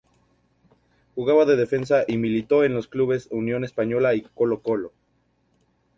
Jugaba de defensa y militó en los clubes Unión Española y Colo-Colo.